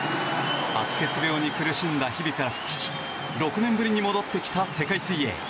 白血病に苦しんだ日々から復帰し６年ぶりに戻ってきた世界水泳。